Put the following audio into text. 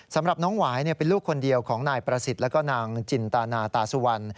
สำหรับน้องหวายเป็นลูกคนเดียวของนายประสิทธิ์แล้วก็นางจินตานาตาสุวรรณ